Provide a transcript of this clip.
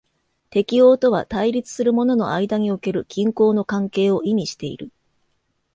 適応とは対立するものの間における均衡の関係を意味している。